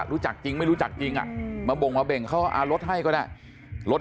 รู้จักจริงไม่รู้จักจริงอ่ะมาบ่งมาเบ่งเขาก็รถให้ก็ได้รถ